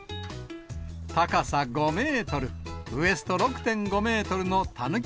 高さ５メートル、ウエスト６．５メートルのタヌキ